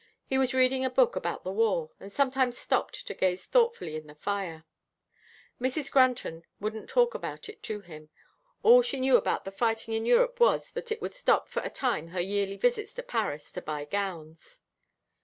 He was reading a book about the war, and sometimes stopped to gaze thoughtfully in the fire. Mrs. Granton wouldn't talk about it to him. All she knew about the fighting in Europe was, that it would stop, for a time, her yearly visits to Paris to buy gowns.